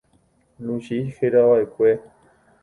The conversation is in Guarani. Luchi herava'ekue.